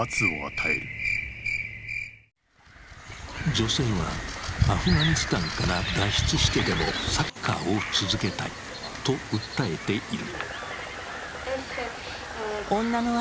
女性はアフガニスタンから脱出してでもサッカーを続けたいと訴えている。